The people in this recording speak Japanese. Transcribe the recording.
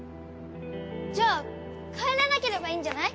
じゃあ帰らなければいいんじゃない？